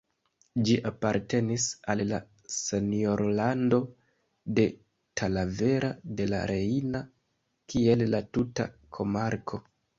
Ĝi apartenis al la senjorlando de Talavera de la Reina, kiel la tuta komarko.